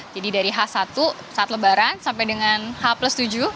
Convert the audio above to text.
jadi dari h satu saat lebaran sampai dengan h plus tujuh